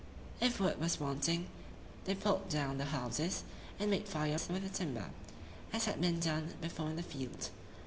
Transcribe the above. If wood was wanting, they pulled down the houses, and made fires with the timber, as had been done before in the field.